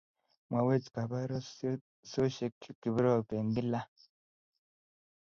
Mwaiwech kabarostoisyek Kiprop eng' gila.